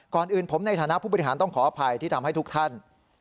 ก่อนอื่นผมในฐานะผู้บริหารต้องขออภัยที่ทำให้ทุกท่าน